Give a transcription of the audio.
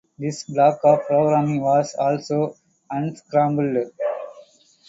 This block of programming was also unscrambled.